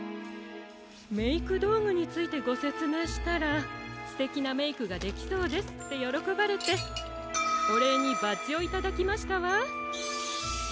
メイクどうぐについてごせつめいしたら「すてきなメイクができそうです」ってよろこばれておれいにバッジをいただきましたわ。